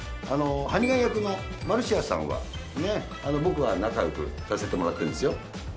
ハニガン役のマルシアさんは僕は仲良くさせてもらってるんですよ。